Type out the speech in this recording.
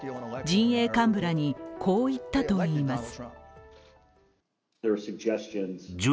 陣営幹部らにこう言ったといいます。